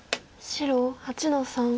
白８の三。